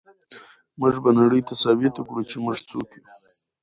موږ به نړۍ ته ثابته کړو چې موږ څوک یو.